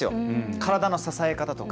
体の支え方とか。